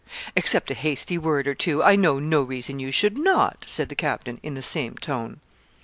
'Except a hasty word or two, I know no reason you should not,' said the captain, in the same tone.